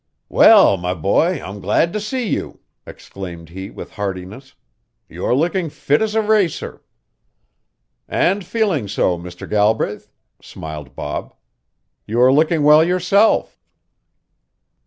"Well, my boy, I'm glad to see you," exclaimed he with heartiness. "You are looking fit as a racer." "And feeling so, Mr. Galbraith," smiled Bob. "You are looking well yourself."